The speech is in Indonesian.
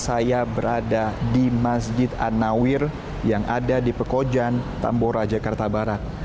saya berada di masjid an nawir yang ada di pekojan tambora jakarta barat